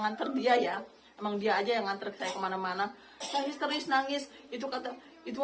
nganter dia ya emang dia aja yang ngantrik saya kemana mana saya histeris nangis itu kata itu